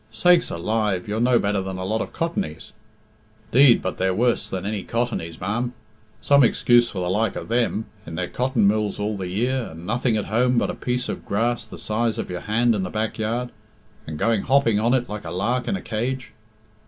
"Sakes alive! you're no better than a lot of Cottonies." "Deed, but they're worse than any Cottonies, ma'am. Some excuse for the like of them. In their cotton mills all the year, and nothing at home but a piece of grass the size of your hand in the backyard, and going hopping on it like a lark in a cage."